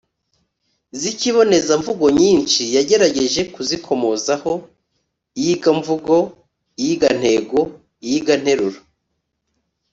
z'ikibonezamvugo nyinshi yagerageje kuzikomozaho (iyigamvugo, iyigantego, iyiganteruro